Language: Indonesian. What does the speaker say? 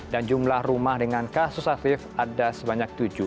dan jumlah rumah dengan kasus aktif ada sebanyak tujuh